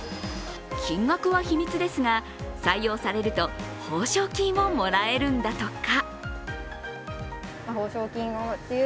金額は秘密ですが、採用されると報奨金をもらえるんだとか。